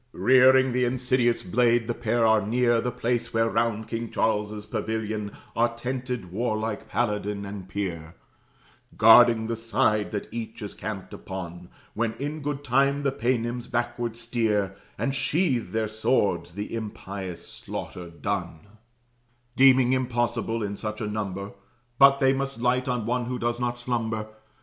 Rearing th' insidious blade, the pair are near The place where round King Charles's pavilion Are tented warlike paladin and peer, Guarding the side that each is camped upon, When in good time the Paynims backward steer, And sheathe their swords, the impious slaughter done; Deeming impossible, in such a number, But they must light on one who does not slumber.